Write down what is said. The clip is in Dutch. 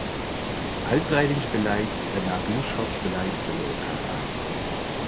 Uitbreidingsbeleid en nabuurschapsbeleid vullen elkaar aan.